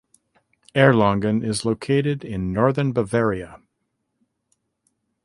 Erlangen is located in northern Bavaria.